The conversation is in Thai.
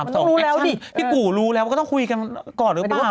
ต้องรู้แล้วสิพี่ขูรู้แล้วก็ต้องคุยกันก่อนเวลา